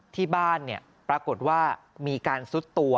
ที่บ้านปรากฏว่ามีการซุดตัว